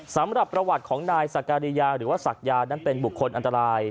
สำหรับประวัติของนายสักการิยาหรือว่าศักยานั้นเป็นบุคคลอันตราย